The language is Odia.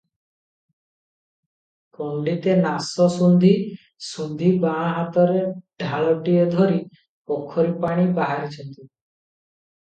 ପଣ୍ତିତେ ନାଶ ସୁଙ୍ଘି ସୁଙ୍ଘି ବାଁ ହାତରେ ଢାଳଟିଏ ଧରି ପୋଖରୀପାଣି ବାହାରିଛନ୍ତି ।